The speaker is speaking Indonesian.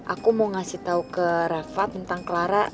aku mau ngasih tau ke rafa tentang clara